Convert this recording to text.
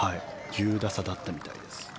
１０打差だったみたいです